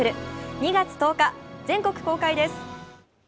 ２月１０日、全国公開です。